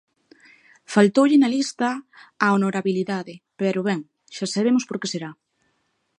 Faltoulle na lista a honorabilidade, pero, ben, xa sabemos por que será.